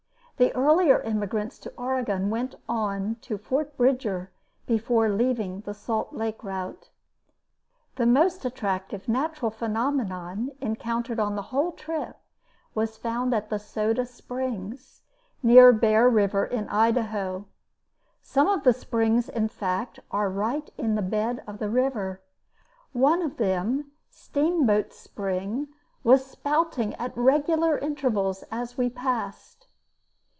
The earlier emigrants to Oregon went on to Fort Bridger before leaving the Salt Lake route. [Illustration: Howard R. Driggs The big bend of the Bear River in Idaho.] The most attractive natural phenomenon encountered on the whole trip was found at the Soda Springs, near Bear River in Idaho. Some of the springs, in fact, are right in the bed of the river. One of them, Steamboat Spring, was spouting at regular intervals as we passed.